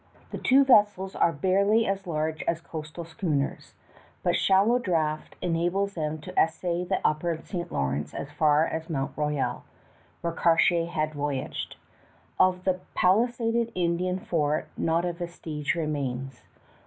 The two vessels are barely as large as coastal schooners; but shallow draft enables them to essay the Upper St. Lawrence far as Mount Royal, where Cartier had voyaged. Of the palisaded Indian fort not a vestige remains.